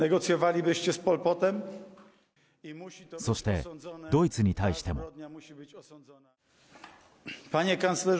そして、ドイツに対しても。